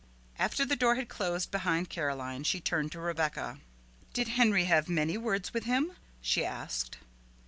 After the door had closed behind Caroline, she turned to Rebecca. "Did Henry have many words with him?" she asked.